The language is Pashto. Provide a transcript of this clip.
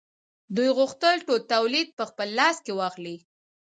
دوی غوښتل ټول تولید په خپل لاس کې واخلي